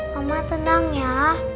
mama tenang ya